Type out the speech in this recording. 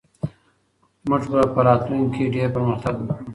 موږ به په راتلونکي کې ډېر پرمختګ وکړو.